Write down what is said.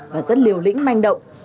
và rất liều lĩnh manh động